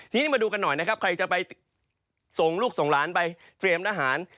ทีนี้มาดูกันหน่อยนะครับใครจะไปส่งลูกส่งหลานไปเตรียมทหาร